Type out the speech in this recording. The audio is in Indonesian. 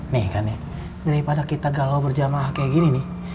nih kan ya daripada kita galau berjamaah kayak gini nih